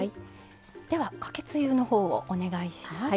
ではかけつゆのほうをお願いします。